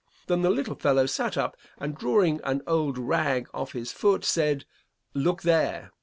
Then the little fellow sat up and drawing on old rag off his foot said, 'Look there.'